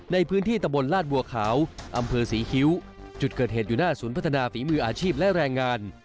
ในพื้นที่ตะบนลาดบัวขาวอำเภอศรีคิ้วจุดเกิดเหตุอยู่หน้าศูนย์พัฒนาฝีมืออาชีพและแรงงาน